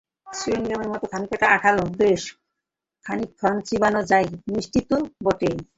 চুইংগামের মতো খানিকটা আঠালো, বেশ খানিকক্ষণ চিবানো যায়, মিষ্টি তো বটেই।